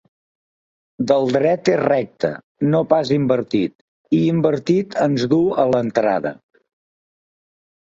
Del dret és recte, no pas invertit, i invertit ens du a l'entrada.